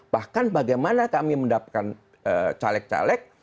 bahkan bagaimana kami mendapatkan caleg caleg